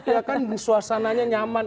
ya kan suasananya nyaman